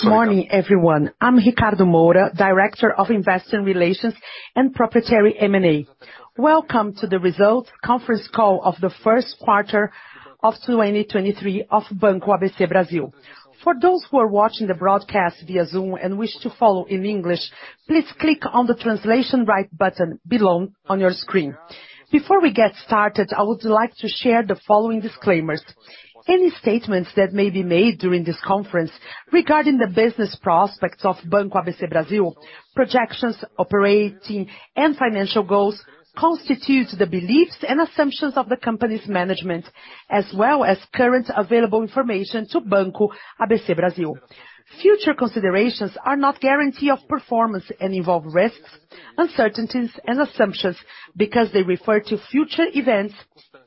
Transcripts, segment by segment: Good morning, everyone. I'm Ricardo Moura, Director of Investor Relations and Proprietary M&A. Welcome to the Results Conference Call of the First Quarter of 2023 of Banco ABC Brasil. For those who are watching the broadcast via Zoom and wish to follow in English, please click on the Translation bright button below on your screen. Before we get started, I would like to share the following disclaimers. Any statements that may be made during this conference regarding the business prospects of Banco ABC Brasil, projections, operating and financial goals, constitutes the beliefs and assumptions of the company's management, as well as current available information to Banco ABC Brasil. Future considerations are not guarantee of performance and involve risks, uncertainties, and assumptions because they refer to future events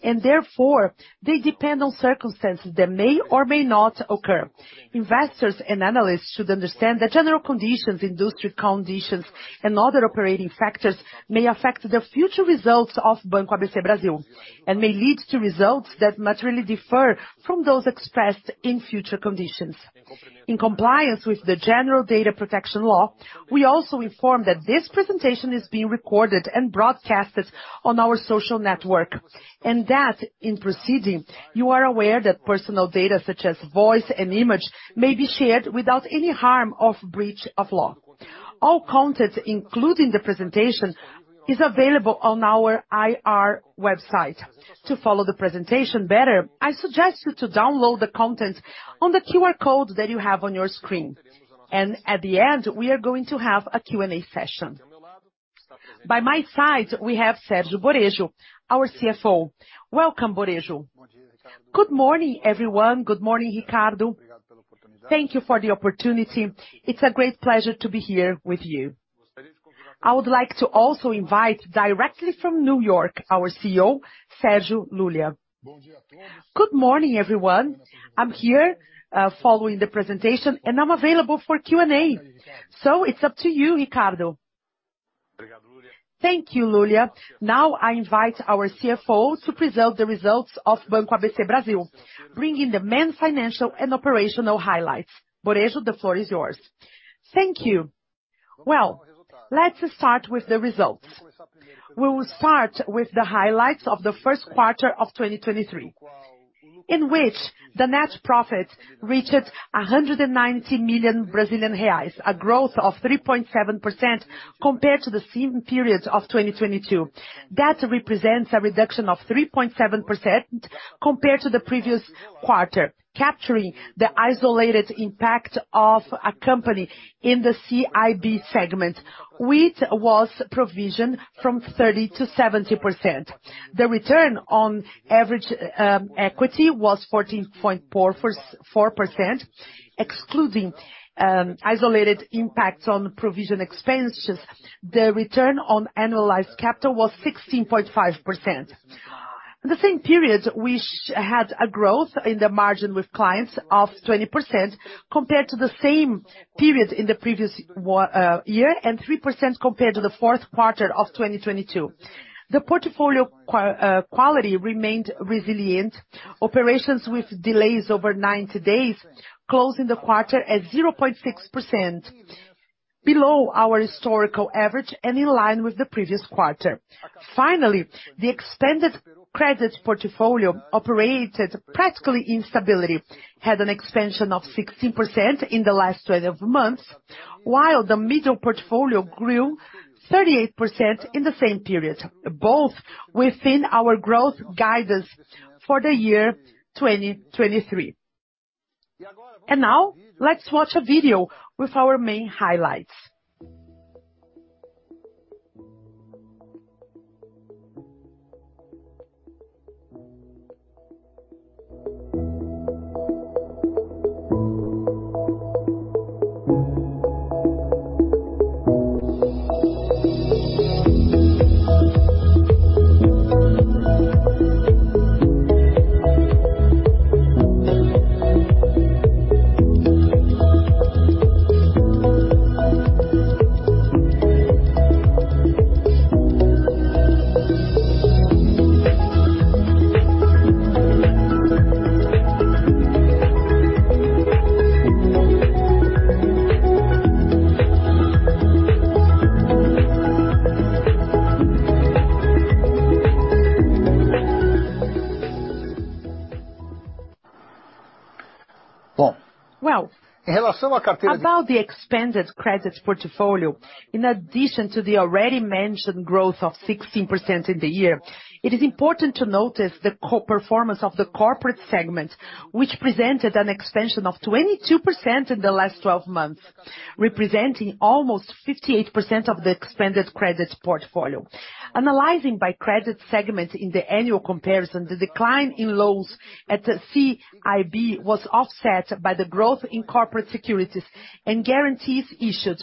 and therefore they depend on circumstances that may or may not occur. Investors and analysts should understand the general conditions, industry conditions, and other operating factors may affect the future results of Banco ABC Brasil, and may lead to results that materially differ from those expressed in future conditions. In compliance with the General Data Protection Law, we also inform that this presentation is being recorded and broadcasted on our social network, and that in proceeding, you are aware that personal data such as voice and image may be shared without any harm of breach of law. All content, including the presentation, is available on our IR website. To follow the presentation better, I suggest you to download the content on the QR code that you have on your screen, and at the end, we are going to have a Q&A session. By my side, we have Sérgio Borejo, our CFO. Welcome, Borejo. Good morning, everyone. Good morning, Ricardo. Thank you for the opportunity. It's a great pleasure to be here with you. I would like to also invite directly from New York, our CEO, Sérgio Lulia. Good morning, everyone. I'm here, following the presentation, and I'm available for Q&A. It's up to you, Ricardo. Thank you, Lulia. Now I invite our CFO to present the results of Banco ABC Brasil, bringing the main financial and operational highlights. Borejo, the floor is yours. Thank you. Well, let's start with the results. We will start with the highlights of the first quarter of 2023, in which the net profit reached 190 million Brazilian reais, a growth of 3.7% compared to the same period of 2022. That represents a reduction of 3.7% compared to the previous quarter, capturing the isolated impact of a company in the CIB segment, which was provisioned from 30%-70%. The return on average equity was 14.4%, excluding isolated impacts on provision expenses. The return on analyzed capital was 16.5%. The same period, we had a growth in the margin with clients of 20% compared to the same period in the previous year, and 3% compared to the Q4 of 2022. The portfolio quality remained resilient. Operations with delays over 90 days closed in the quarter at 0.6%, below our historical average and in line with the previous quarter. Finally, the extended credit portfolio operated practically in stability, had an expansion of 16% in the last 12 months, while the middle portfolio grew 38% in the same period, both within our growth guidance for the year 2023. Now, let's watch a video with our main highlights. Well, about the expanded credit portfolio, in addition to the already mentioned growth of 16% in the year, it is important to notice the co-performance of the corporate segment, which presented an expansion of 22% in the last 12 months, representing almost 58% of the expanded credit portfolio. Analyzing by credit segment in the annual comparison, the decline in lows at CIB was offset by the growth in corporate securities and guarantees issued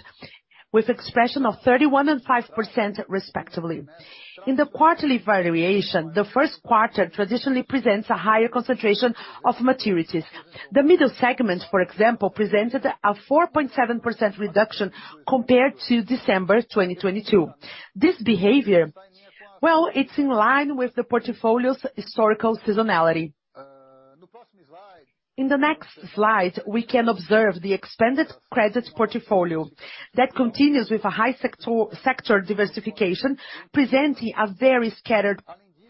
with expression of 31% and 5%, respectively. In the quarterly variation, the first quarter traditionally presents a higher concentration of maturities. The middle segment, for example, presented a 4.7% reduction compared to December 2022. This behavior. Well, it's in line with the portfolio's historical seasonality. In the next slide, we can observe the expanded credit portfolio that continues with a high sector diversification, presenting a very scattered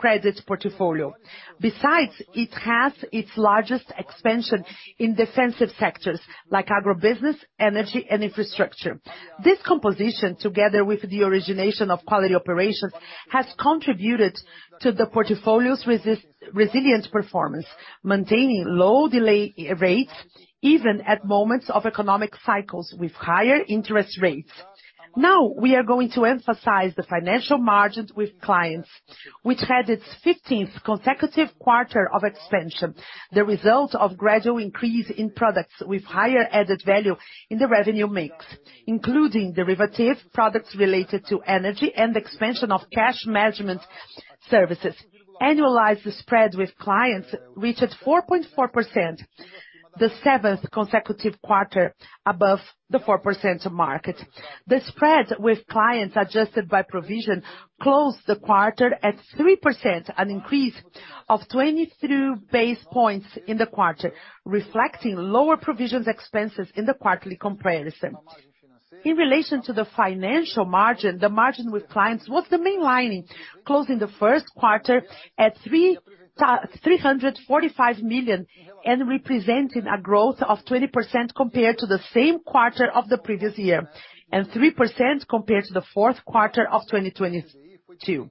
credit portfolio. Besides, it has its largest expansion in defensive sectors like agribusiness, energy, and infrastructure. This composition, together with the origination of quality operations, has contributed to the portfolio's resilient performance, maintaining low delay rates even at moments of economic cycles with higher interest rates. Now we are going to emphasize the financial margins with clients, which had its fifteenth consecutive quarter of expansion, the result of gradual increase in products with higher added value in the revenue mix, including derivative products related to energy and expansion of cash management services. Annualized spread with clients reached 4.4%, the 7th consecutive quarter above the 4% market. The spread with clients adjusted by provision closed the quarter at 3%, an increase of 22 basis points in the quarter, reflecting lower provisions expenses in the quarterly comparison. In relation to the financial margin, the margin with clients was the main lining, closing the first quarter at 345 million, and representing a growth of 20% compared to the same quarter of the previous year, and 3% compared to the Q4 of 2022.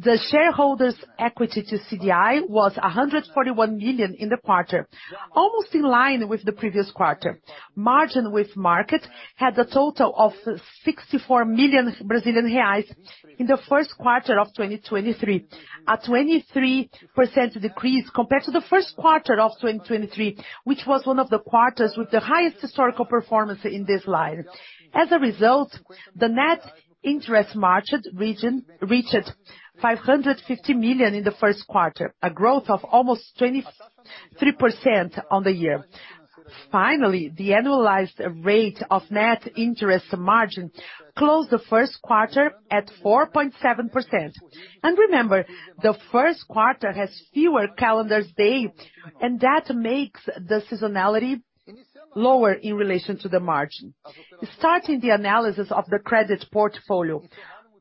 The shareholders equity to CDI was 141 million in the quarter, almost in line with the previous quarter. Margin with market had a total of 64 million Brazilian reais in the first quarter of 2023, a 23% decrease compared to the first quarter of 2023, which was one of the quarters with the highest historical performance in this slide. As a result, the net interest margin reached 550 million in the first quarter, a growth of almost 23% on the year. Finally, the annualized rate of net interest margin closed the first quarter at 4.7%. Remember, the first quarter has fewer calendar dates, and that makes the seasonality lower in relation to the margin. Starting the analysis of the credit portfolio,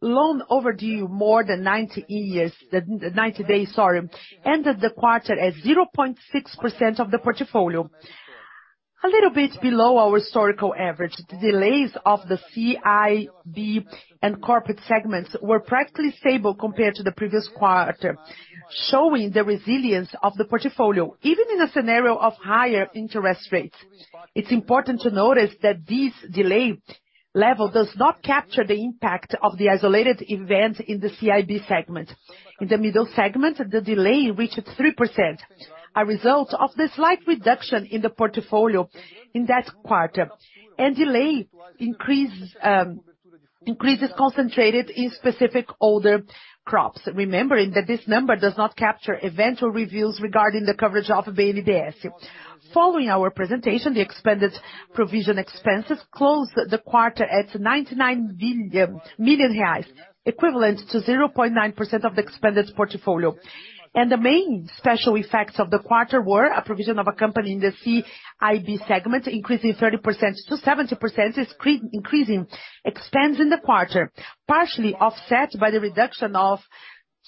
loan overdue more than 90 days, sorry, ended the quarter at 0.6% of the portfolio. A little bit below our historical average, the delays of the CIB and corporate segments were practically stable compared to the previous quarter, showing the resilience of the portfolio, even in a scenario of higher interest rates. It's important to notice that this delay level does not capture the impact of the isolated events in the CIB segment. In the middle segment, the delay reached 3%, a result of the slight reduction in the portfolio in that quarter, and delay increase, increases concentrated in specific older crops. Remembering that this number does not capture eventual reviews regarding the coverage of Americanas. Following our presentation, the expanded provision expenses closed the quarter at 99 million reais, equivalent to 0.9% of the expanded portfolio. The main special effects of the quarter were a provision of a company in the CIB segment, increasing 30%-70%, expands in the quarter, partially offset by the reduction of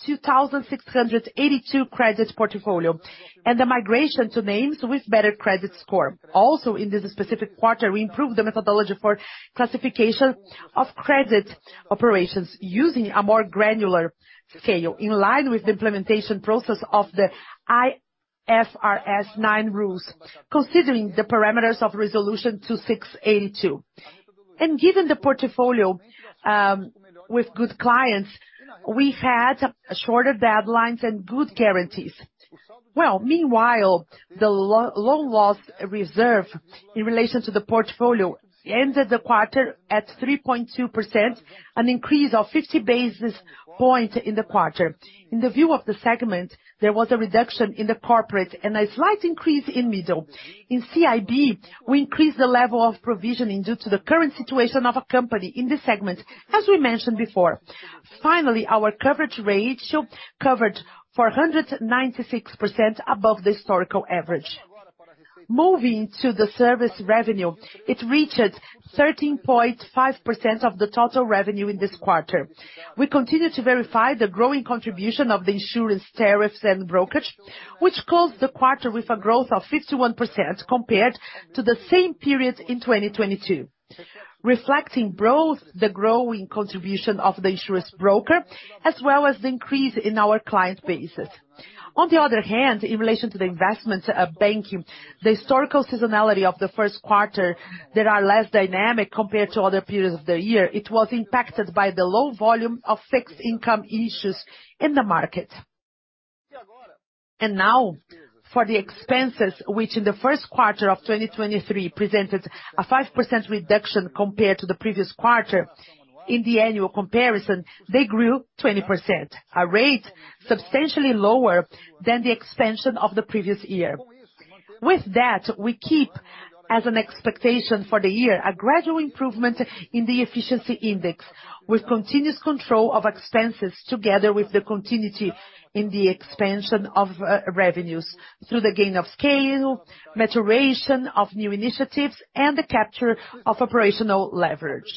2,682 credit portfolio, and the migration to names with better credit score. Also, in this specific quarter, we improved the methodology for classification of credit operations using a more granular scale, in line with the implementation process of the IFRS 9 rules, considering the parameters of Resolution 2682. Given the portfolio with good clients, we had shorter deadlines and good guarantees. Meanwhile, the loan loss reserve in relation to the portfolio ended the quarter at 3.2%, an increase of 50 basis points in the quarter. In the view of the segment, there was a reduction in the corporate and a slight increase in middle. In CIB, we increased the level of provisioning due to the current situation of a company in this segment, as we mentioned before. Our coverage ratio covered 496% above the historical average. Moving to the service revenue, it reached 13.5% of the total revenue in this quarter. We continue to verify the growing contribution of the insurance tariffs and brokerage, which closed the quarter with a growth of 51% compared to the same period in 2022, reflecting both the growing contribution of the insurance broker as well as the increase in our client bases. On the other hand, in relation to the investment banking, the historical seasonality of the first quarter that are less dynamic compared to other periods of the year, it was impacted by the low volume of fixed income issues in the market. For the expenses, which in the first quarter of 2023 presented a 5% reduction compared to the previous quarter. In the annual comparison, they grew 20%, a rate substantially lower than the expansion of the previous year. With that, we keep as an expectation for the year, a gradual improvement in the efficiency index, with continuous control of expenses together with the continuity in the expansion of revenues through the gain of scale, maturation of new initiatives, and the capture of operational leverage.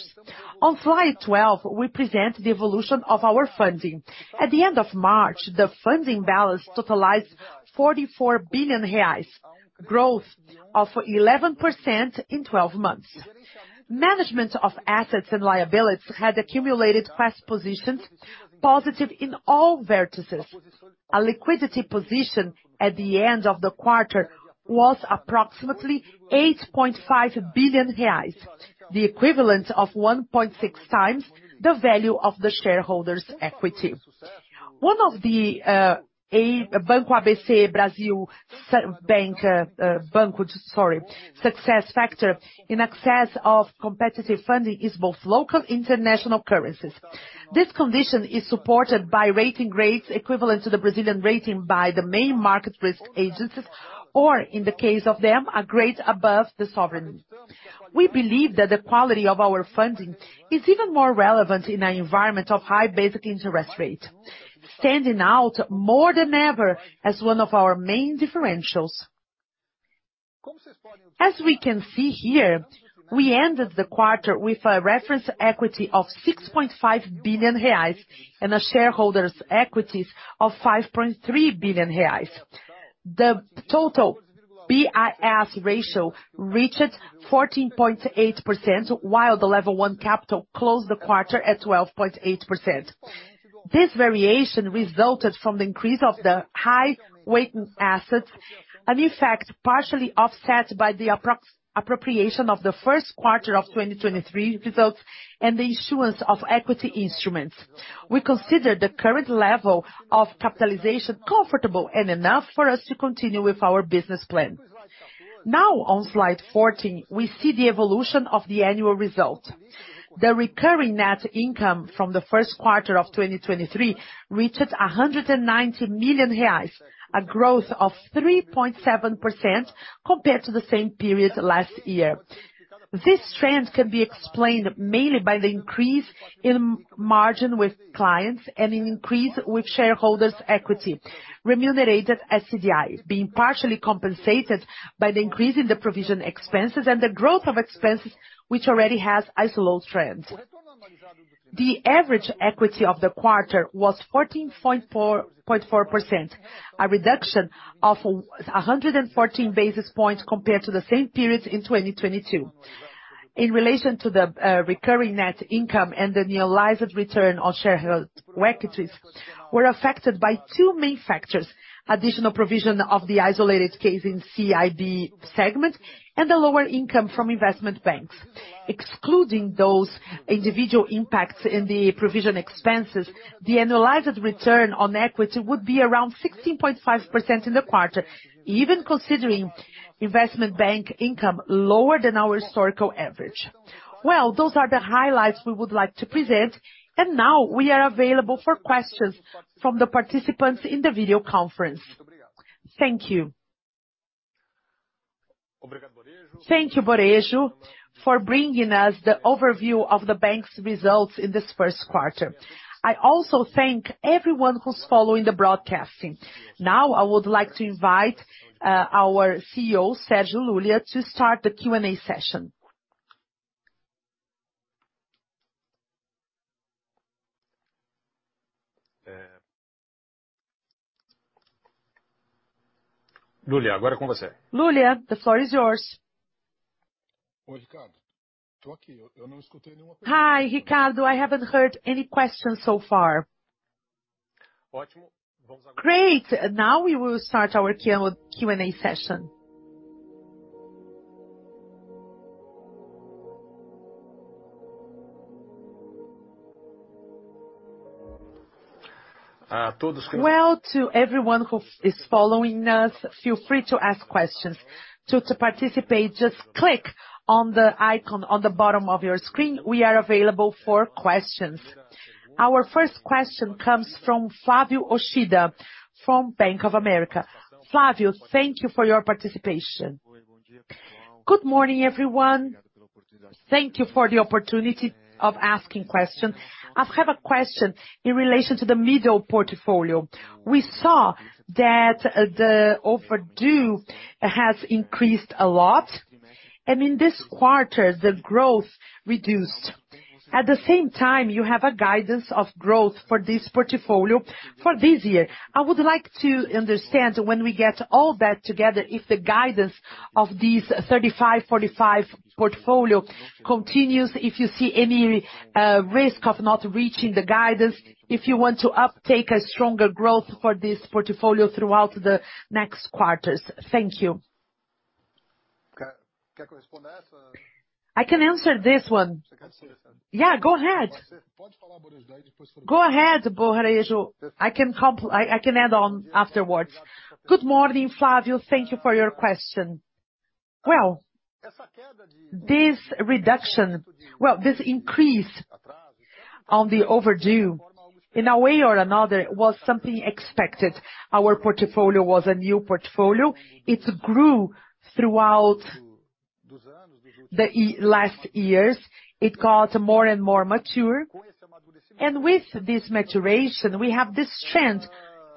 On slide 12, we present the evolution of our funding. At the end of March, the funding balance totalized 44 billion reais, growth of 11% in 12 months. Management of assets and liabilities had accumulated fast positions, positive in all vertices. A liquidity position at the end of the quarter was approximately 8.5 billion reais, the equivalent of 1.6 times the value of the shareholders' equity. One of the Banco ABC Brasil success factor in excess of competitive funding is both local international currencies. This condition is supported by rating grades equivalent to the Brazilian rating by the main market risk agencies, or in the case of them, a grade above the sovereign. We believe that the quality of our funding is even more relevant in an environment of high basic interest rate, standing out more than ever as one of our main differentials. We ended the quarter with a reference equity of 6.5 billion reais and a shareholders' equities of 5.3 billion reais. The total BIS ratio reached 14.8%, while the level one capital closed the quarter at 12.8%. This variation resulted from the increase of the high weight in assets, an effect partially offset by the appropriation of the first quarter of 2023 results and the issuance of equity instruments. We consider the current level of capitalization comfortable and enough for us to continue with our business plan. On slide 14, we see the evolution of the annual result. The recurring net income from the first quarter of 2023 reached 190 million reais, a growth of 3.7% compared to the same period last year. This trend can be explained mainly by the increase in margin with clients and an increase with shareholders' equity. Remunerated CDI being partially compensated by the increase in the provision expenses and the growth of expenses, which already has isolated trends. The average equity of the quarter was 14.44%, a reduction of 114 basis points compared to the same period in 2022. In relation to the recurring net income and the annualized return on shareholder equities were affected by two main factors: additional provision of the isolated case in CIB segment and the lower income from investment banks. Excluding those individual impacts in the provision expenses, the annualized return on equity would be around 16.5% in the quarter, even considering investment bank income lower than our historical average. Well, those are the highlights we would like to present. Now we are available for questions from the participants in the video conference. Thank you. Thank you, Borejo, for bringing us the overview of the bank's results in this first quarter. I also thank everyone who's following the broadcasting. Now, I would like to invite our CEO, Sérgio Lulia, to start the Q&A session. Lulia, the floor is yours. Hi, Ricardo. I haven't heard any questions so far. Great. Now we will start our Q&A session. Well, to everyone who is following us, feel free to ask questions. To participate, just click on the icon on the bottom of your screen. We are available for questions. Our first question comes from Flavio Yoshida from Bank of America. Flavio, thank you for your participation. Good morning, everyone. Thank you for the opportunity of asking question. I have a question in relation to the middle portfolio. We saw that the overdue has increased a lot, and in this quarter, the growth reduced. At the same time, you have a guidance of growth for this portfolio for this year. I would like to understand when we get all that together, if the guidance of these 35-45 portfolio continues, if you see any risk of not reaching the guidance, if you want to uptake a stronger growth for this portfolio throughout the next quarters. Thank you. I can answer this one. Yeah, go ahead. Go ahead, Borejo. I can add on afterwards. Good morning, Flavio. Thank you for your question. This increase on the overdue, in a way or another, it was something expected. Our portfolio was a new portfolio. It's grew throughout the last years. It got more and more mature. With this maturation, we have this trend,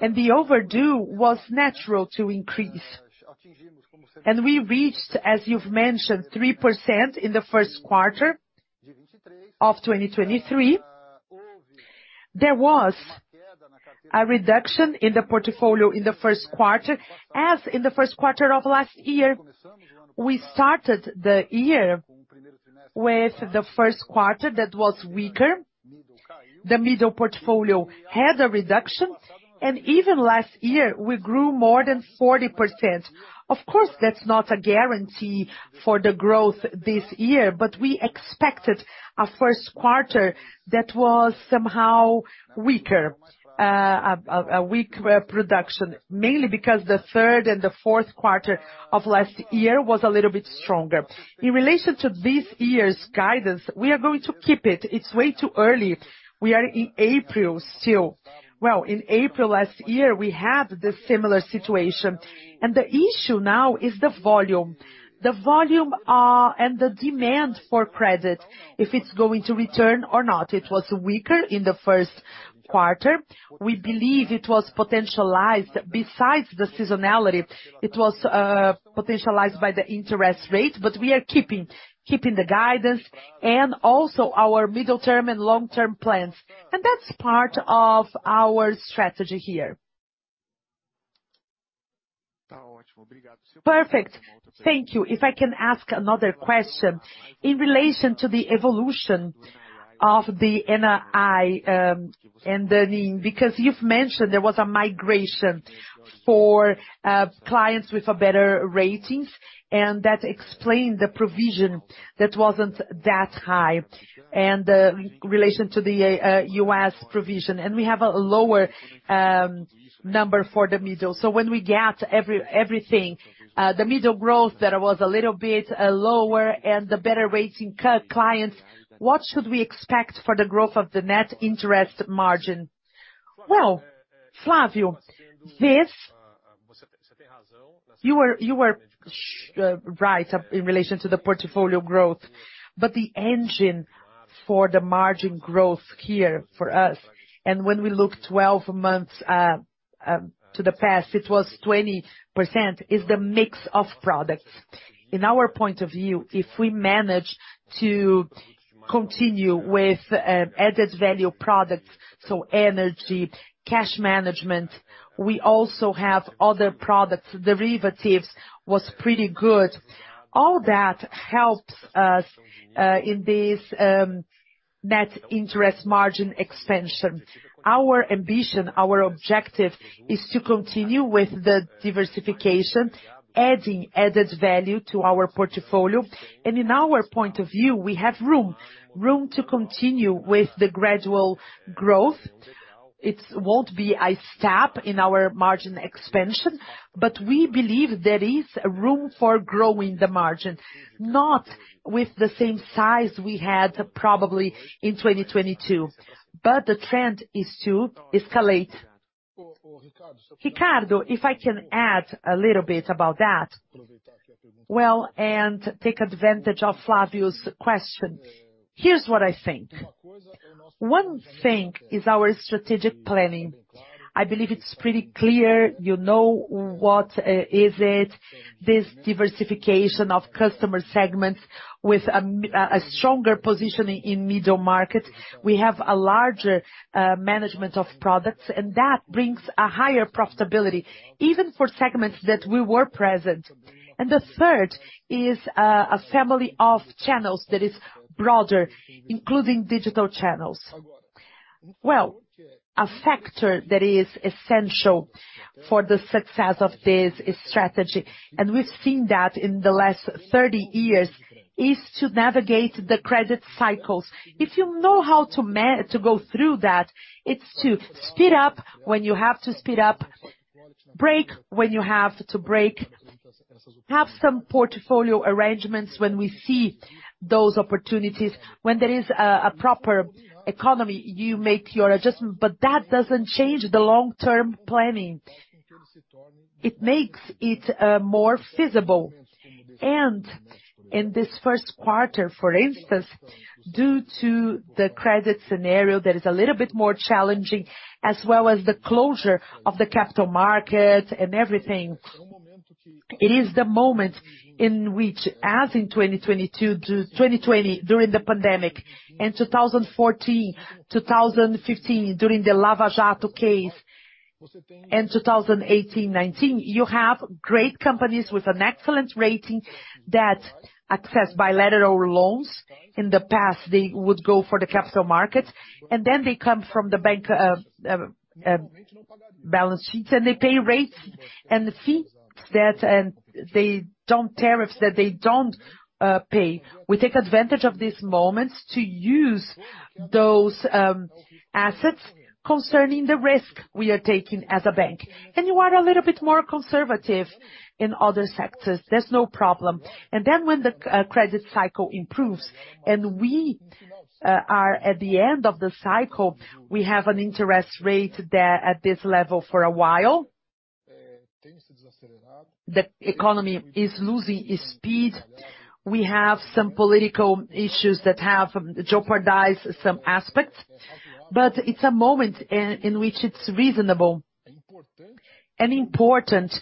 and the overdue was natural to increase. We reached, as you've mentioned, 3% in the first quarter of 2023. There was a reduction in the portfolio in the first quarter, as in the first quarter of last year, we started the year with the first quarter that was weaker. The middle portfolio had a reduction. Even last year, we grew more than 40%. Of course, that's not a guarantee for the growth this year, but we expected a first quarter that was somehow weaker, a weak production, mainly because the third and the Q4 of last year was a little bit stronger. In relation to this year's guidance, we are going to keep it. It's way too early. We are in April still. Well, in April last year, we had this similar situation. The issue now is the volume. The volume, and the demand for credit, if it's going to return or not. It was weaker in the first quarter. We believe it was potentialized. Besides the seasonality, it was potentialized by the interest rate, but we are keeping the guidance and also our middle term and long-term plans. That's part of our strategy here. Perfect. Thank you. If I can ask another question. In relation to the evolution of the NII, and the NIM, because you've mentioned there was a migration for clients with better ratings, and that explained the provision that wasn't that high and, in relation to the U.S. provision, and we have a lower number for the middle. When we get everything, the middle growth that was a little bit lower and the better rating clients, what should we expect for the growth of the net interest margin? Flavio, this. You are right in relation to the portfolio growth. The engine for the margin growth here for us, and when we look 12 months to the past, it was 20%, is the mix of products. In our point of view, if we manage to continue with added value products, so energy, cash management, we also have other products. Derivatives was pretty good. All that helps us in this net interest margin expansion. Our ambition, our objective is to continue with the diversification, adding added value to our portfolio. In our point of view, we have room to continue with the gradual growth. It won't be a step in our margin expansion, but we believe there is room for growing the margin, not with the same size we had probably in 2022, but the trend is to escalate. Ricardo, if I can add a little bit about that, well, and take advantage of Flavio Yoshida's question. Here's what I think. One thing is our strategic planning. I believe it's pretty clear, you know, what is it, this diversification of customer segments with a stronger positioning in middle market. We have a larger management of products, and that brings a higher profitability, even for segments that we were present. The third is a family of channels that is broader, including digital channels. Well, a factor that is essential for the success of this strategy, and we've seen that in the last 30 years, is to navigate the credit cycles. If you know how to go through that, it's to speed up when you have to speed up, break when you have to break, have some portfolio arrangements when we see those opportunities. When there is a proper economy, you make your adjustment, but that doesn't change the long-term planning. It makes it more feasible. In this first quarter, for instance, due to the credit scenario that is a little bit more challenging, as well as the closure of the capital market and everything, it is the moment in which, as in 2022-2020 during the pandemic and 2014, 2015 during the Lava Jato case, and 2018, 2019, you have great companies with an excellent rating that access bilateral loans. In the past, they would go for the capital market, and then they come from the bank, balance sheets, and they pay rates and fees that tariffs that they don't pay. We take advantage of these moments to use those assets concerning the risk we are taking as a bank. You are a little bit more conservative in other sectors. There's no problem. When the credit cycle improves, and we are at the end of the cycle, we have an interest rate there at this level for a while. The economy is losing its speed. We have some political issues that have jeopardized some aspects. It's a moment in which it's reasonable and important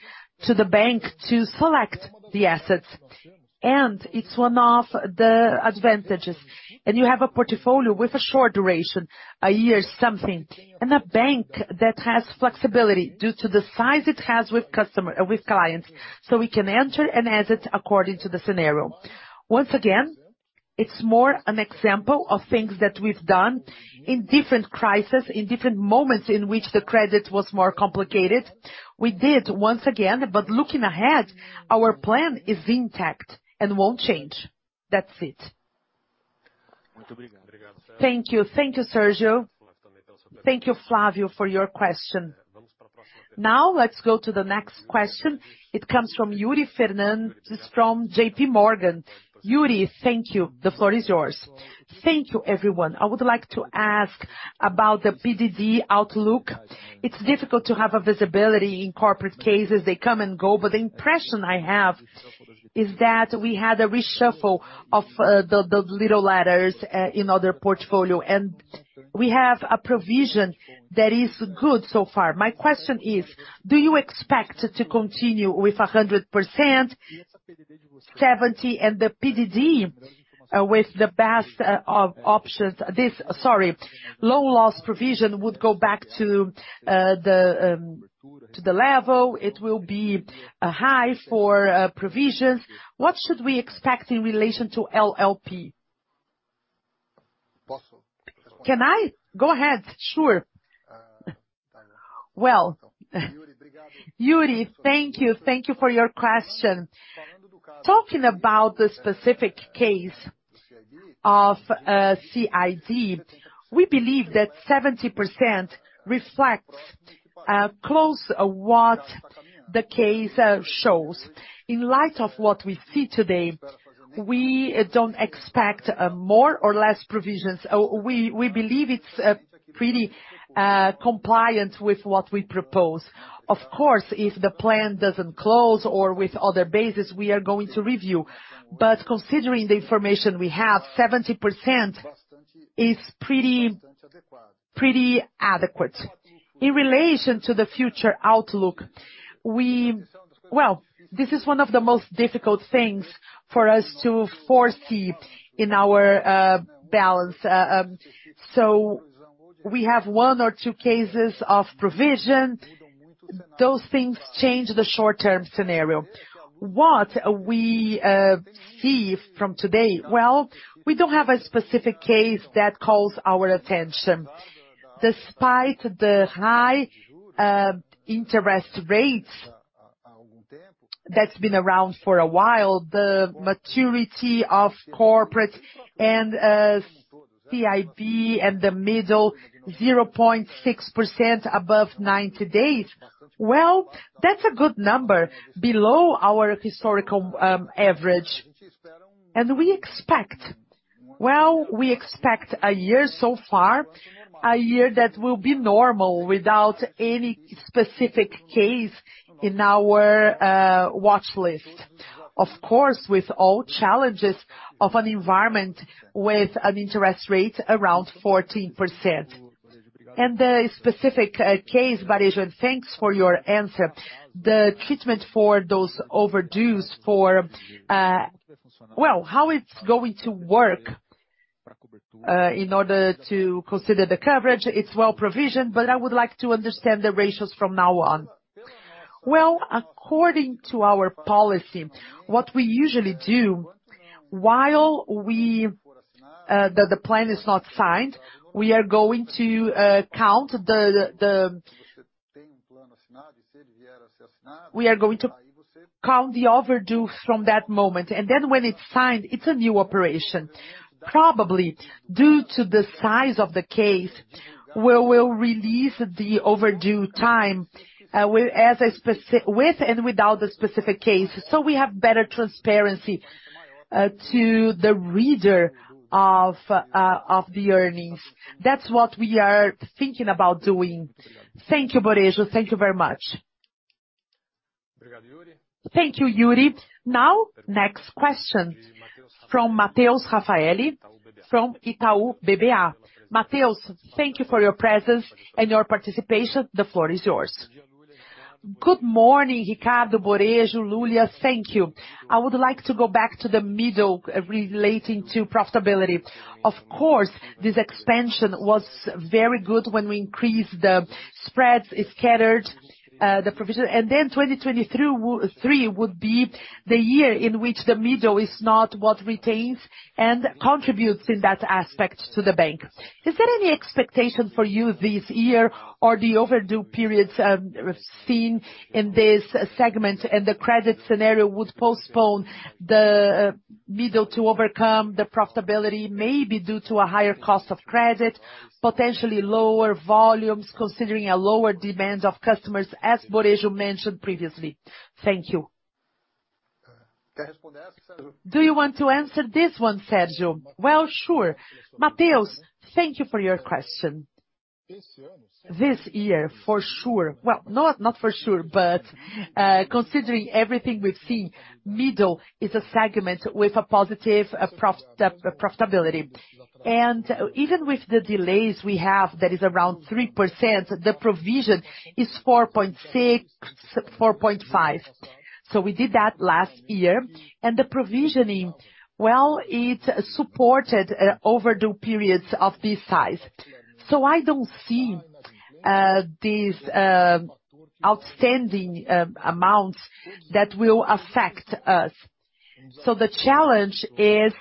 to the bank to select the assets. It's one of the advantages. You have a portfolio with a short duration, 1 year something, and a bank that has flexibility due to the size it has with clients, we can enter and exit according to the scenario. Once again, it's more an example of things that we've done in different crises, in different moments in which the credit was more complicated. We did once again, looking ahead, our plan is intact and won't change. That's it. Thank you. Thank you, Sergio. Thank you, Flavio, for your question. Let's go to the next question. It comes from Yuri Fernandes from JP Morgan. Yuri, thank you. The floor is yours. Thank you, everyone. I would like to ask about the PDD outlook. It's difficult to have a visibility in corporate cases. They come and go, but the impression I have is that we had a reshuffle of the little ladders in other portfolio, and we have a provision that is good so far. My question is, do you expect to continue with 100%, 70 and the PDD with the best options? Sorry. Low loss provision would go back to the level, it will be high for provisions. What should we expect in relation to LLP? Can I? Go ahead, sure. Well, Yuri, thank you. Thank you for your question. Talking about the specific case of CIB, we believe that 70% reflects close what the case shows. In light of what we see today, we don't expect more or less provisions. We believe it's pretty compliant with what we propose. Of course, if the plan doesn't close or with other basis, we are going to review. Considering the information we have, 70% is pretty adequate. In relation to the future outlook, well, this is one of the most difficult things for us to foresee in our balance. We have one or two cases of provision. Those things change the short-term scenario. What we see from today, well, we don't have a specific case that calls our attention. Despite the high interest rates that's been around for a while, the maturity of corporate and CIB and the middle 0.6% above 90 days, well, that's a good number below our historical average. Well, we expect a year so far, a year that will be normal without any specific case in our watchlist. Of course, with all challenges of an environment with an interest rate around 14%. The specific case, Borejo, thanks for your answer. The treatment for those overdues for, well, how it's going to work in order to consider the coverage, it's well-provisioned, but I would like to understand the ratios from now on. Well, according to our policy, what we usually do while the plan is not signed, we are going to count the overdues from that moment. When it's signed, it's a new operation. Probably due to the size of the case, we will release the overdue time with and without the specific case, so we have better transparency to the reader of the earnings. That's what we are thinking about doing. Thank you, Borejo. Thank you very much. Thank you, Yuri. Next question from Mateus Raffaelli, from Itaú BBA. Mateus, thank you for your presence and your participation. The floor is yours. Good morning, Ricardo, Borejo, Lulia. Thank you. I would like to go back to the middle relating to profitability. Of course, this expansion was very good when we increased the spreads, it scattered the provision. 2023 would be the year in which the middle is not what retains and contributes in that aspect to the bank. Is there any expectation for you this year or the overdue periods, seen in this segment and the credit scenario would postpone the middle to overcome the profitability, maybe due to a higher cost of credit, potentially lower volumes, considering a lower demand of customers, as Borejo mentioned previously? Thank you.\ Do you want to answer this one, Sergio? Well, sure. Mateus, thank you for your question. This year, Well, not for sure, but, considering everything we've seen, middle is a segment with a positive profitability. Even with the delays we have, that is around 3%, the provision is 4.6, 4.5. We did that last year. The provisioning, well, it supported overdue periods of this size. I don't see these outstanding amounts that will affect us. The challenge is,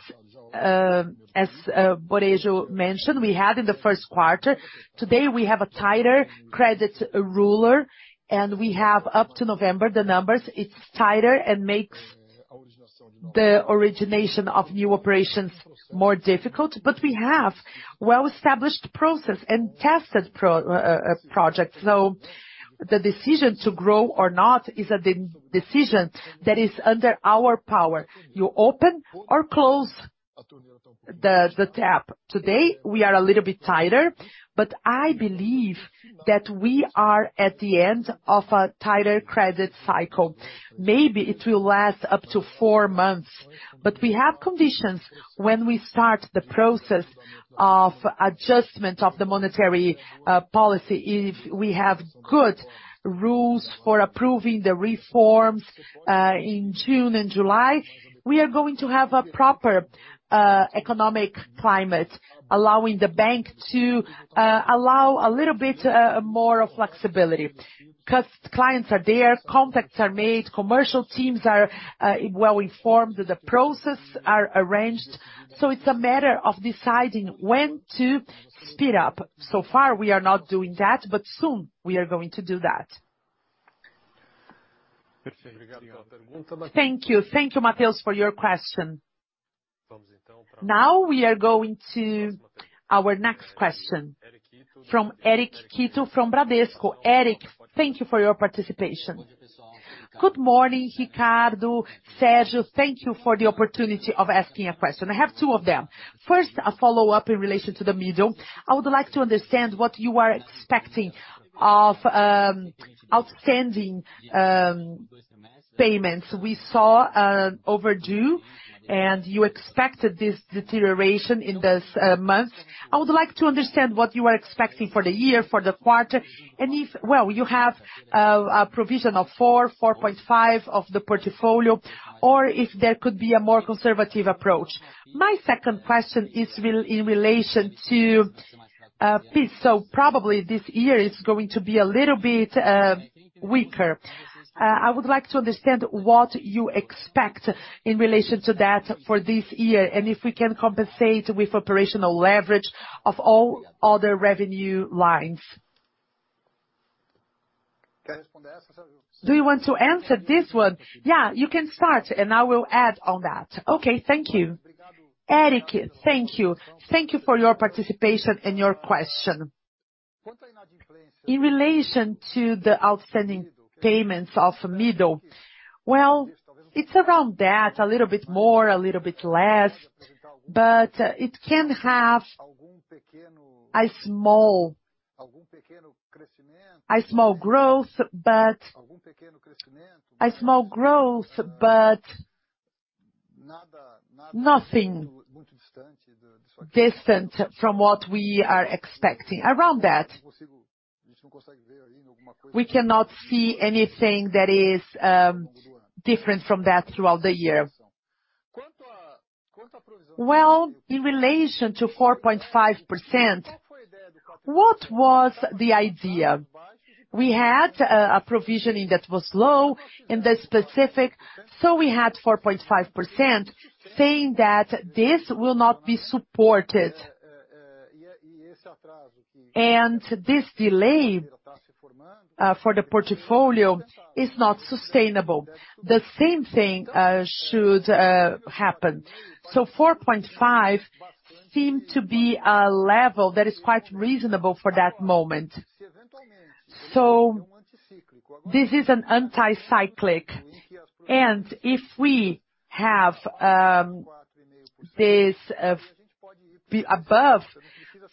as Borejo mentioned, we had in the 1st quarter, today, we have a tighter credit ruler, and we have up to November, the numbers, it's tighter and makes the origination of new operations more difficult. We have well-established process and tested project. The decision to grow or not is a decision that is under our power. You open or close the tap. Today, we are a little bit tighter, I believe that we are at the end of a tighter credit cycle. Maybe it will last up to 4 months. We have conditions when we start the process of adjustment of the monetary policy. If we have good rules for approving the reforms in June and July, we are going to have a proper economic climate, allowing the bank to allow a little bit more flexibility. 'Cause clients are there, contacts are made, commercial teams are well-informed, the process are arranged. It's a matter of deciding when to speed up. So far, we are not doing that, but soon, we are going to do that. Thank you. Thank you, Mateus, for your question. Now we are going to our next question from Eric Ito from Bradesco. Eric, thank you for your participation. Good morning, Ricardo. Sergio, thank you for the opportunity of asking a question. I have 2 of them. First, a follow-up in relation to the middle. I would like to understand what you are expecting of outstanding payments. We saw overdue, and you expected this deterioration in this month. I would like to understand what you are expecting for the year, for the quarter, and if, well, you have a provision of 4.5% of the portfolio, or if there could be a more conservative approach. My second question is in relation to fees. Probably this year is going to be a little bit weaker. I would like to understand what you expect in relation to that for this year, and if we can compensate with operational leverage of all other revenue lines. Do you want to answer this one? Yeah, you can start, and I will add on that. Okay, thank you. Eric, thank you. Thank you for your participation and your question. In relation to the outstanding payments of middle, it's around that, a little bit more, a little bit less, but it can have a small growth, nothing distant from what we are expecting. Around that. We cannot see anything that is different from that throughout the year. In relation to 4.5%, what was the idea? We had a provisioning that was low in the specific, we had 4.5% saying that this will not be supported. This delay for the portfolio is not sustainable. The same thing should happen. 4.5% seem to be a level that is quite reasonable for that moment. This is an anti-cyclic. If we have this above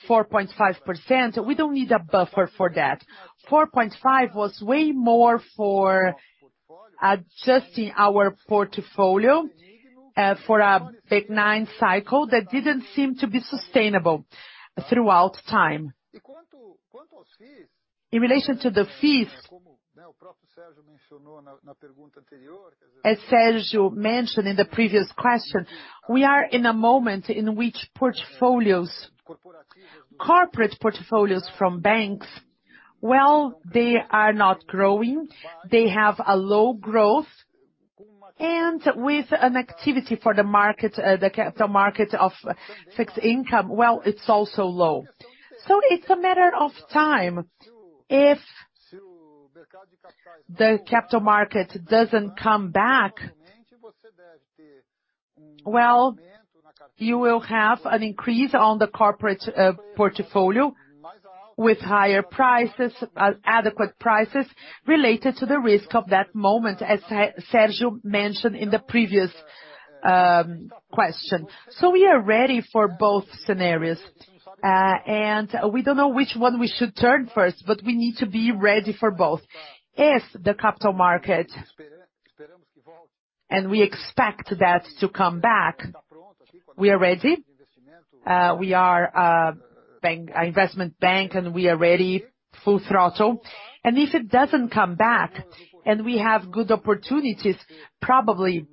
4.5%, we don't need a buffer for that. 4.5% was way more for adjusting our portfolio for a big 9 cycle that didn't seem to be sustainable throughout time. In relation to the fees, as Sergio mentioned in the previous question, we are in a moment in which portfolios, corporate portfolios from banks, they are not growing, they have a low growth, and with an activity for the market, the capital market of fixed income, it's also low. It's a matter of time. If the capital market doesn't come back, you will have an increase on the corporate portfolioWith higher prices, adequate prices related to the risk of that moment, as Sergio mentioned in the previous question. We are ready for both scenarios. We don't know which one we should turn first, but we need to be ready for both. If the capital market, and we expect that to come back, we are ready. We are an investment bank, and we are ready full throttle. If it doesn't come back, and we have good opportunities, probably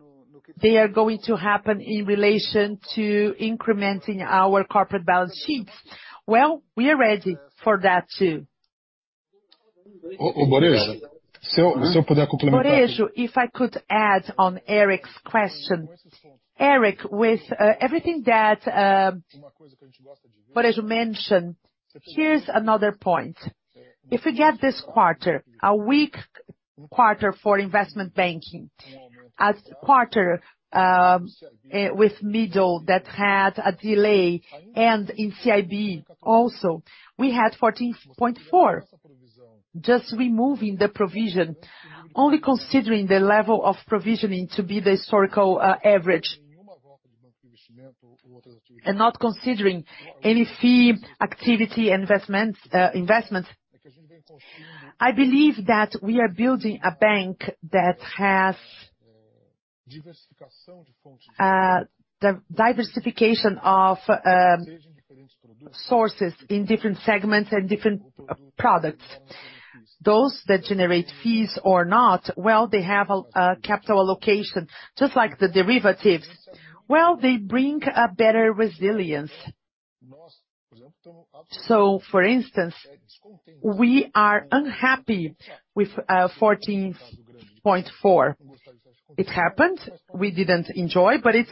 they are going to happen in relation to incrementing our corporate balance sheets. Well, we are ready for that too. If I could add on Eric's question. Eric, with everything that Borem mentioned, here's another point. If we get this quarter, a weak quarter for investment banking as quarter, with middle that had a delay and in CIB also, we had 14.4. Just removing the provision, only considering the level of provisioning to be the historical average. Not considering any fee, activity, investments, I believe that we are building a bank that has the diversification of sources in different segments and different products. Those that generate fees or not, well, they have a capital allocation, just like the derivatives. Well, they bring a better resilience. For instance, we are unhappy with 14.4. It happened, we didn't enjoy, but it's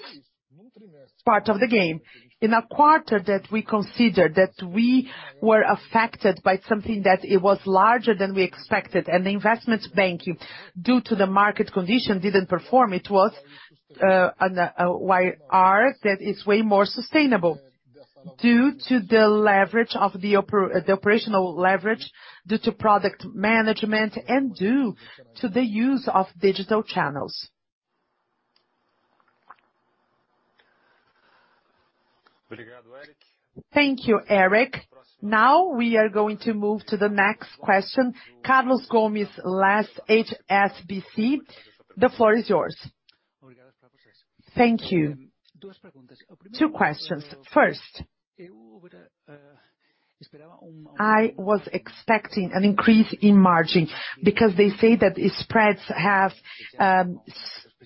part of the game. In a quarter that we consider that we were affected by something that it was larger than we expected, the investment banking, due to the market condition, didn't perform, it was an YR that is way more sustainable due to the leverage of the operational leverage, due to product management, and due to the use of digital channels. Thank you, Eric. Now we are going to move to the next question, Carlos Gomez-Lopez HSBC. The floor is yours. Thank you. Two questions. First, I was expecting an increase in margin because they say that its spreads have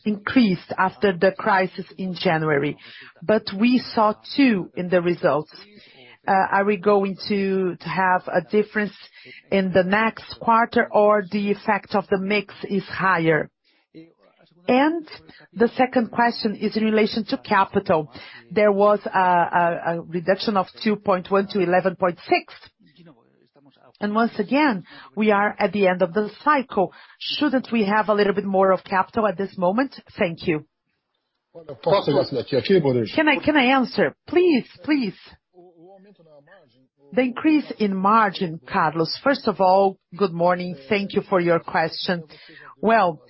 increased after the crisis in January. We saw 2 in the results. Are we going to have a difference in the next quarter or the effect of the mix is higher? The second question is in relation to capital. There was a reduction of 2.1 to 11.6. Once again, we are at the end of the cycle. Shouldn't we have a little bit more of capital at this moment? Thank you. Can I answer? Please. The increase in margin, Carlos, first of all, good morning. Thank you for your question. Well,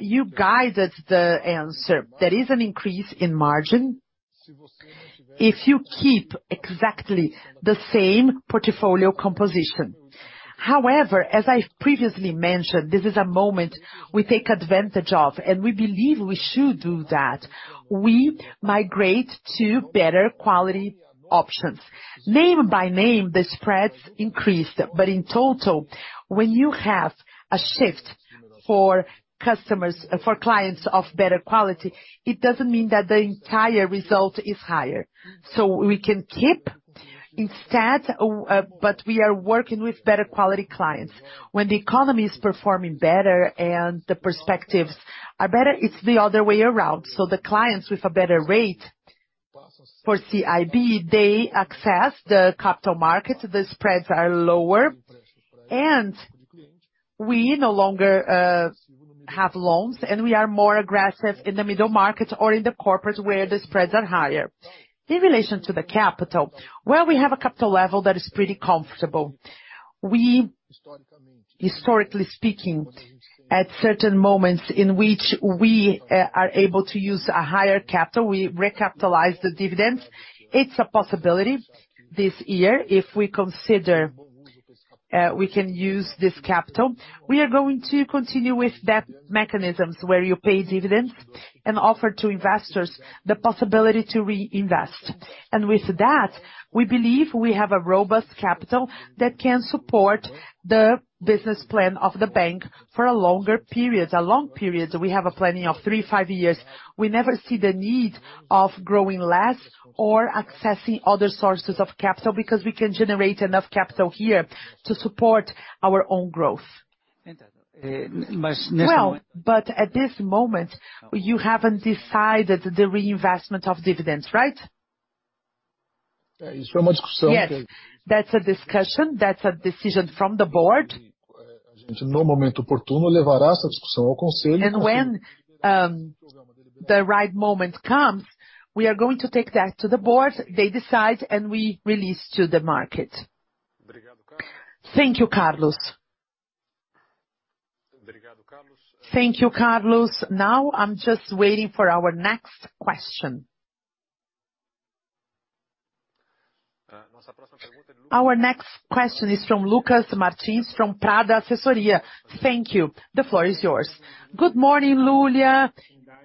you guided the answer. There is an increase in margin if you keep exactly the same portfolio composition. As I've previously mentioned, this is a moment we take advantage of, and we believe we should do that. We migrate to better quality options. Name by name, the spreads increased. In total, when you have a shift for customers, for clients of better quality, it doesn't mean that the entire result is higher. We can keep instead, but we are working with better quality clients. When the economy is performing better and the perspectives are better, it's the other way around. The clients with a better rate for CIB, they access the capital markets, the spreads are lower, and we no longer have loans, and we are more aggressive in the middle market or in the corporate where the spreads are higher. In relation to the capital, well, we have a capital level that is pretty comfortable. We, historically speaking, at certain moments in which we, are able to use a higher capital, we recapitalize the dividends. It's a possibility this year if we consider, we can use this capital. We are going to continue with that mechanisms, where you pay dividends and offer to investors the possibility to reinvest. With that, we believe we have a robust capital that can support the business plan of the bank for a longer period, a long period. We have a planning of three to five years. We never see the need of growing less or accessing other sources of capital because we can generate enough capital here to support our own growth. Well, at this moment, you haven't decided the reinvestment of dividends, right? Yes. That's a discussion, that's a decision from the board. When the right moment comes, we are going to take that to the board, they decide, and we release to the market. Thank you, Carlos. Thank you, Carlos. I'm just waiting for our next question. Our next question is from Lucas Martins from Prado Assessoria. Thank you. The floor is yours. Good morning, Lulia.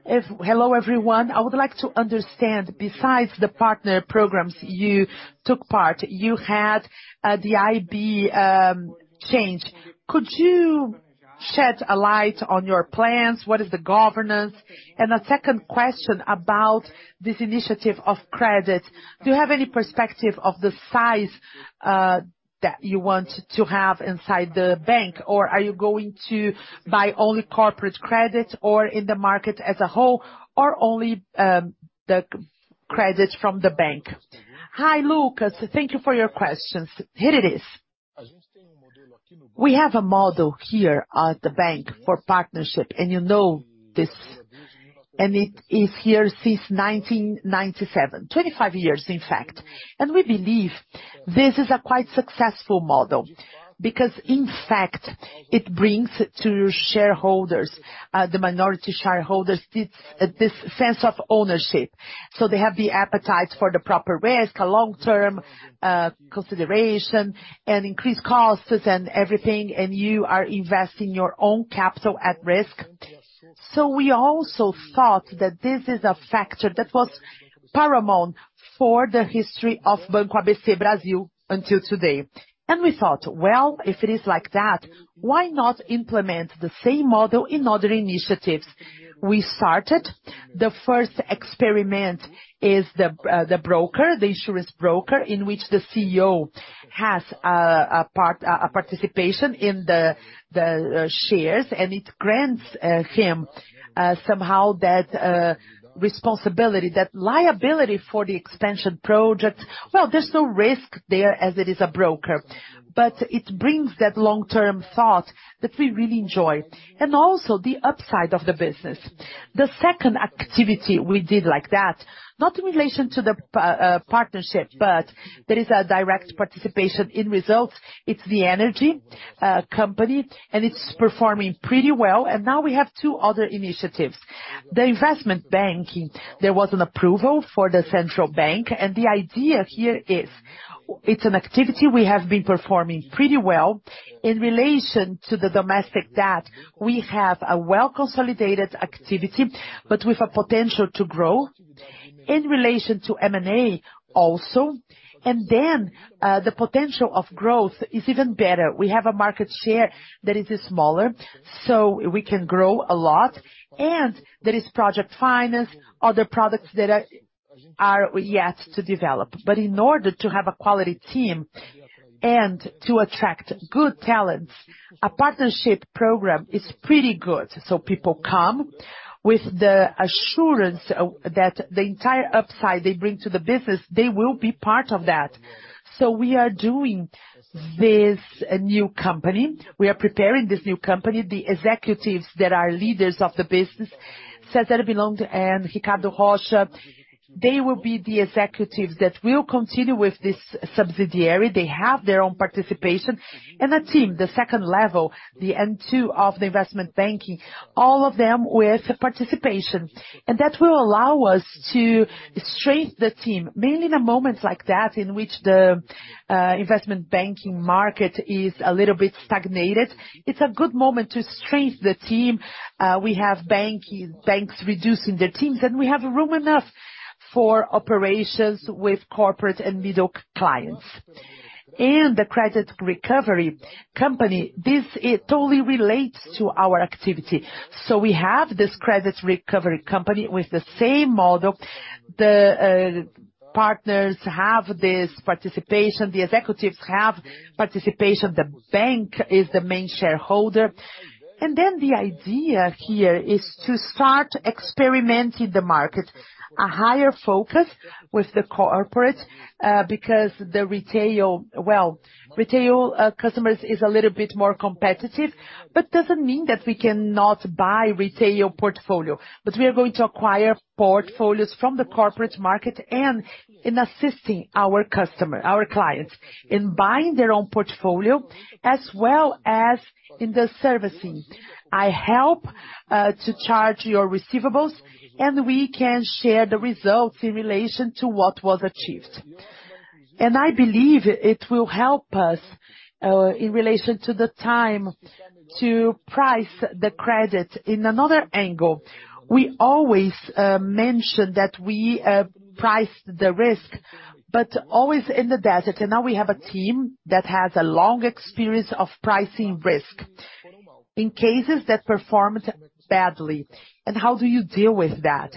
Hello, everyone. I would like to understand, besides the partner programs you took part, you had the IB change. Could you shed a light on your plans? What is the governance? A second question about this initiative of credit. Do you have any perspective of the size that you want to have inside the bank? Are you going to buy only corporate credit or in the market as a whole, or only the credit from the bank? Hi, Lucas. Thank you for your questions. Here it is. We have a model here at the bank for partnership, and you know this, and it is here since 1997, 25 years, in fact. We believe this is a quite successful model because, in fact, it brings to shareholders, the minority shareholders, this sense of ownership. They have the appetite for the proper risk, a long-term consideration and increased costs and everything, and you are investing your own capital at risk. We also thought that this is a factor that was paramount for the history of Banco ABC Brasil until today. We thought, well, if it is like that, why not implement the same model in other initiatives? We started. The first experiment is the broker, the insurance broker, in which the CEO has a participation in the shares, and it grants him somehow that responsibility, that liability for the expansion project. Well, there's no risk there as it is a broker, but it brings that long-term thought that we really enjoy. Also the upside of the business. The second activity we did like that, not in relation to the partnership, but there is a direct participation in results. It's the energy company, and it's performing pretty well. Now we have two other initiatives. The investment banking, there was an approval for the central bank, and the idea here is it's an activity we have been performing pretty well. In relation to the domestic debt, we have a well-consolidated activity, but with a potential to grow. In relation to M&A also. The potential of growth is even better. We have a market share that is smaller, so we can grow a lot. There is project finance, other products that are yet to develop. In order to have a quality team and to attract good talents, a partnership program is pretty good. People come with the assurance that the entire upside they bring to the business, they will be part of that. We are doing this new company. We are preparing this new company. The executives that are leaders of the business, Sérgio Lulia and Ricardo Rocha, they will be the executives that will continue with this subsidiary. They have their own participation. The team, the second level, the N2 of the investment banking, all of them with participation. That will allow us to strengthen the team, mainly in a moment like that, in which the investment banking market is a little bit stagnated. It's a good moment to strengthen the team. We have banks reducing their teams, and we have room enough for operations with corporate and middle clients. The credit recovery company, it totally relates to our activity. We have this credit recovery company with the same model. The partners have this participation, the executives have participation. The bank is the main shareholder. The idea here is to start experimenting the market. A higher focus with the corporate, because the retail... Well, retail, customers is a little bit more competitive, but doesn't mean that we cannot buy retail portfolio. We are going to acquire portfolios from the corporate market and in assisting our customer, our clients, in buying their own portfolio as well as in the servicing. I help to charge your receivables, and we can share the results in relation to what was achieved. I believe it will help us in relation to the time to price the credit in another angle. We always mention that we price the risk, but always in the desert. Now we have a team that has a long experience of pricing risk in cases that performed badly, and how do you deal with that?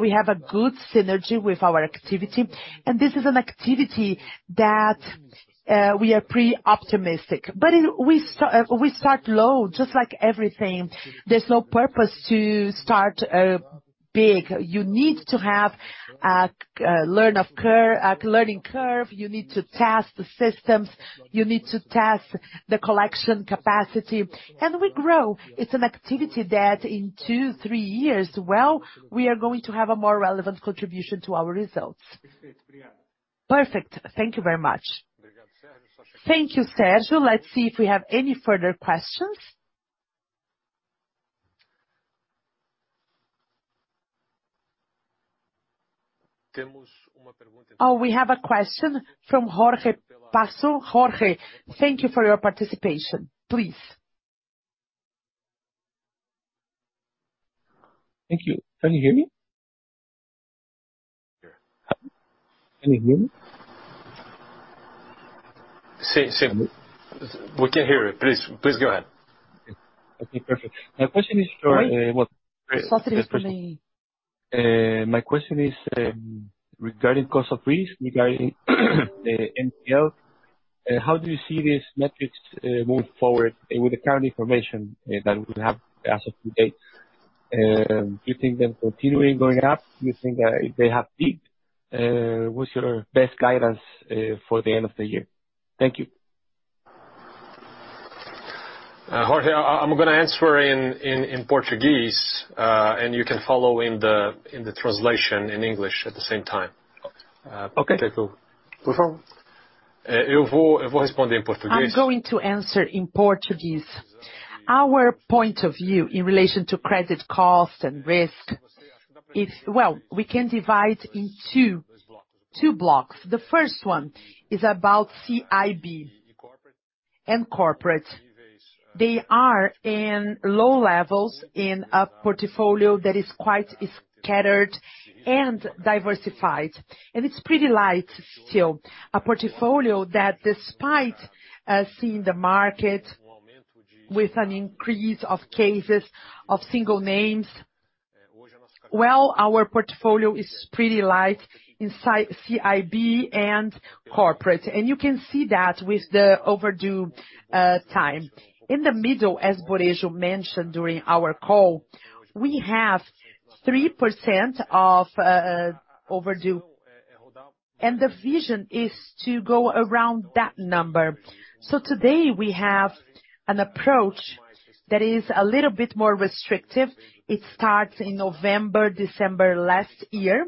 We have a good synergy with our activity, and this is an activity that we are pretty optimistic. We start low, just like everything. There's no purpose to start big. You need to have a learning curve. You need to test the systems, you need to test the collection capacity, and we grow. It's an activity that in 2, 3 years, well, we are going to have a more relevant contribution to our results. Perfect. Thank you very much. Thank you, Sergio. Let's see if we have any further questions. We have a question from Jorge Paso. Jorge, thank you for your participation. Please. Thank you. Can you hear me? We can hear you. Please go ahead. Okay, perfect. My question is for. Jorge, My question is, regarding cost of risk, regarding the NPL, how do you see these metrics move forward with the current information that we have as of to date? Do you think they're continuing going up? Do you think they have peaked? What's your best guidance for the end of the year? Thank you. Jorge, I'm gonna answer in Portuguese. You can follow in the translation in English at the same time. Okay. I'm going to answer in Portuguese. Our point of view in relation to credit cost and risk is... Well, we can divide in two blocks. The first one is about CIB and corporate. They are in low levels in a portfolio that is quite scattered and diversified, and it's pretty light still. A portfolio that despite seeing the market with an increase of cases of single names, well, our portfolio is pretty light inside CIB and corporate. You can see that with the overdue time. In the middle, as Borejo mentioned during our call, we have 3% of overdue, and the vision is to go around that number. Today, we have an approach that is a little bit more restrictive. It starts in November, December last year,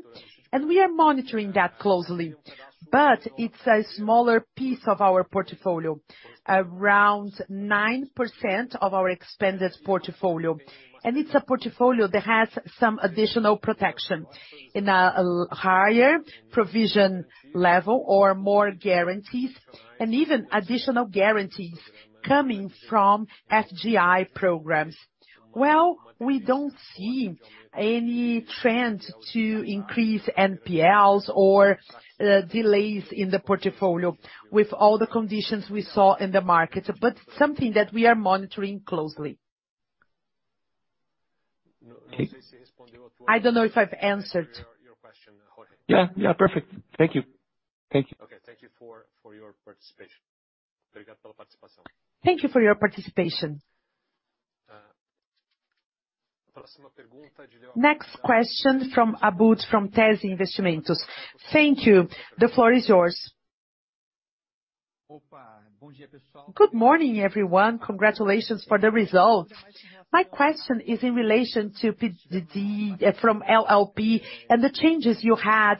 and we are monitoring that closely. It's a smaller piece of our portfolio. Around 9% of our expended portfolio. It's a portfolio that has some additional protection in a higher provision level or more guarantees, and even additional guarantees coming from FGI programs. Well, we don't see any trend to increase NPLs or delays in the portfolio with all the conditions we saw in the market. Something that we are monitoring closely. I don't know if I've answered. Yeah. Yeah. Perfect. Thank you. Thank you. Okay. Thank you for your participation. Thank you for your participation. Next question from Abud, from Teseo Investimentos. Thank you. The floor is yours. Good morning, everyone. Congratulations for the result. My question is in relation to PDD from LLP and the changes you had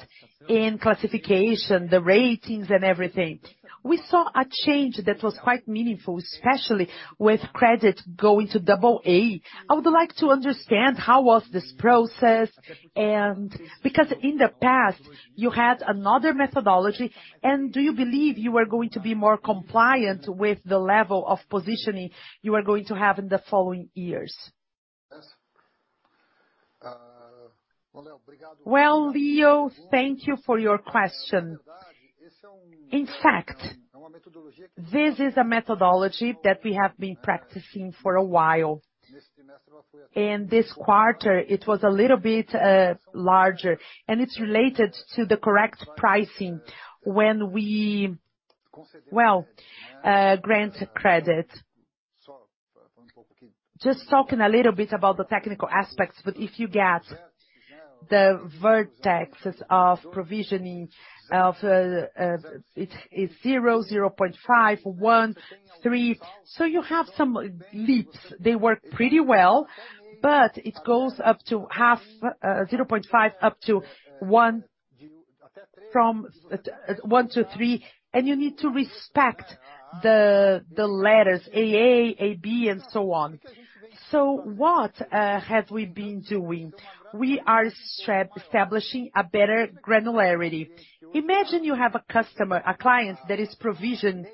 in classification, the ratings and everything. We saw a change that was quite meaningful, especially with credit going to AA. I would like to understand how was this process and... In the past, you had another methodology, and do you believe you are going to be more compliant with the level of positioning you are going to have in the following years? Well, Leo, thank you for your question. In fact, this is a methodology that we have been practicing for a while. In this quarter, it was a little bit larger, and it's related to the correct pricing when we grant credit. Just talking a little bit about the technical aspects. If you get the vertexes of provisioning of zero, 0.5, 1, 3, you have some leaps. They work pretty well. It goes up to half, 0.5 up to 1, from 1 to 3, and you need to respect the letters AA, AB, and so on. What have we been doing? We are establishing a better granularity. Imagine you have a customer, a client that is provisioned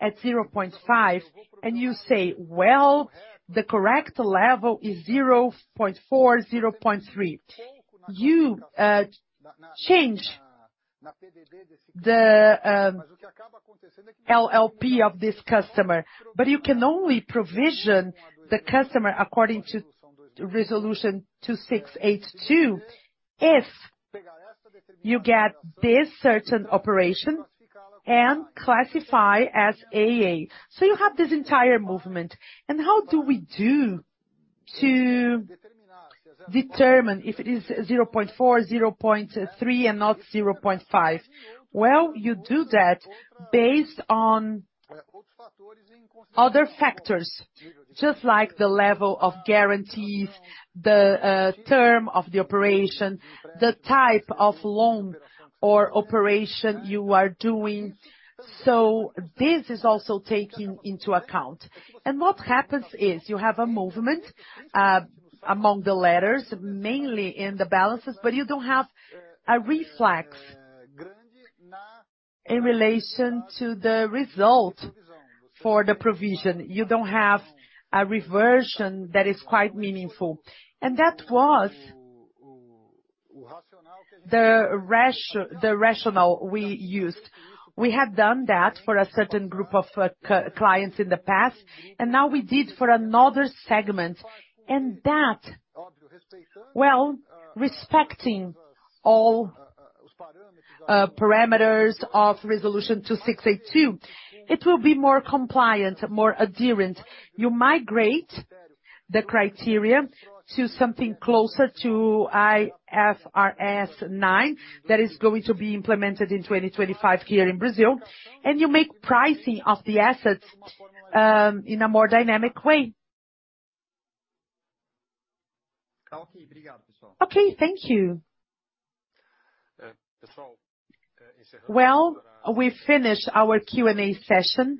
at 0.5, and you say, "Well, the correct level is 0.4, 0.3." You change the LLP of this customer. You can only provision the customer according to Resolution 2682. If you get this certain operation and classify as AA. You have this entire movement. How do we do to determine if it is 0.4, 0.3 and not 0.5? Well, you do that based on other factors, just like the level of guarantees, the term of the operation, the type of loan or operation you are doing. This is also taking into account. What happens is you have a movement among the letters, mainly in the balances, but you don't have a reflex in relation to the result for the provision. You don't have a reversion that is quite meaningful. That was the rationale we used. We had done that for a certain group of clients in the past, and now we did for another segment. That, well, respecting all parameters of Resolution 2682, it will be more compliant, more adherent. You migrate the criteria to something closer to IFRS 9 that is going to be implemented in 2025 here in Brazil. You make pricing of the assets in a more dynamic way. Thank you. We finish our Q&A session.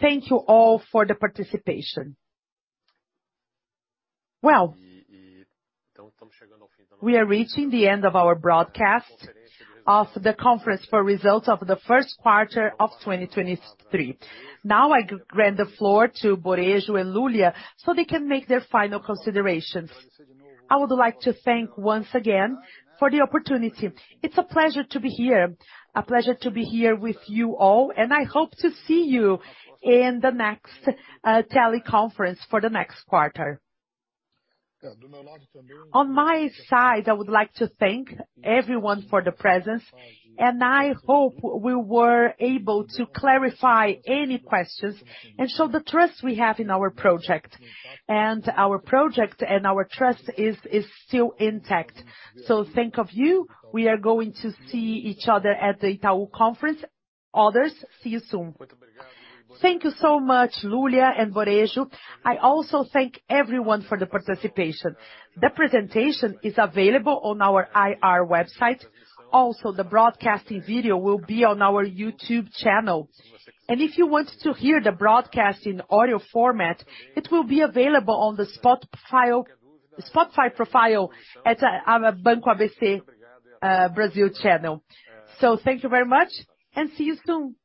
Thank you all for the participation. We are reaching the end of our broadcast of the conference for results of the first quarter of 2023. Now I grant the floor to Borejo and Lulia so they can make their final considerations. I would like to thank once again for the opportunity. It's a pleasure to be here. A pleasure to be here with you all. I hope to see you in the next teleconference for the next quarter. On my side, I would like to thank everyone for the presence, and I hope we were able to clarify any questions and show the trust we have in our project. Our project and our trust is still intact. Thank of you. We are going to see each other at the Itaú conference. Others, see you soon. Thank you so much, Lulia and Borejo. I also thank everyone for the participation. The presentation is available on our IR website. Also, the broadcasting video will be on our YouTube channel. If you want to hear the broadcast in audio format, it will be available on the Spotify profile at Banco ABC Brasil channel. Thank you very much and see you soon.